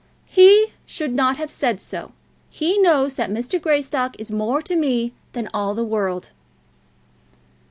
"He should not have said so. He knows that Mr. Greystock is more to me than all the world."